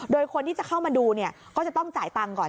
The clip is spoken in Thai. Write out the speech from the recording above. โดยคนที่จะเข้ามาดูเนี่ยก็จะต้องจ่ายตังค์ก่อน